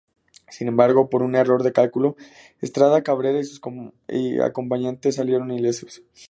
Sin embargo, por un error de cálculo, Estrada Cabrera y sus acompañantes salieron ilesos.